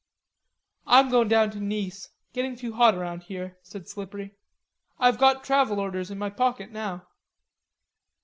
"I'm goin' down to Nice; getting too hot around here," said Slippery. "I've got travel orders in my pocket now."